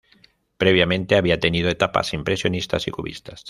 Previamente había tenido etapas impresionistas y cubistas.